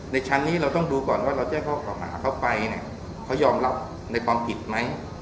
ชั้นนี้เราต้องดูก่อนว่าเราแจ้งข้อเก่าหาเขาไปเนี่ยเขายอมรับในความผิดไหม